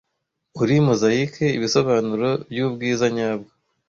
Uri mozayike, ibisobanuro byubwiza nyabwo.